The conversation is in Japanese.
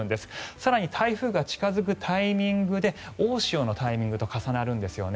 更に台風が近付くタイミングで大潮のタイミングと重なるんですよね。